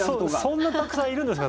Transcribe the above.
そんなたくさんいるんですか？